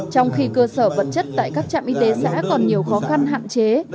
trong khi cơ sở vật chất tại các trạm y tế xã còn nhiều khó khăn hạn chế